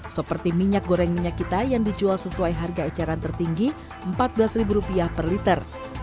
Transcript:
seperti minyak goreng minyak kita yang dijual sesuai harga eceran tertinggi rp empat belas per liter